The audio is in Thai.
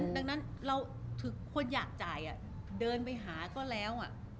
ดังนั้นเราถึงคนอยากจ่ายเดินไปหาก็แล้ว